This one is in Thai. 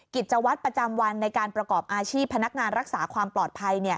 กิจวัตรประจำวันในการประกอบอาชีพพนักงานรักษาความปลอดภัย